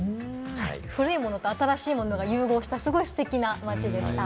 古いものと新しいものが融合したすごいステキな街でした。